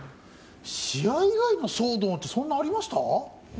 試合以外の騒動ってそんなありました？